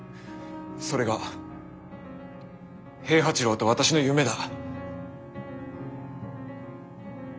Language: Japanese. それが平八郎と私の夢だ。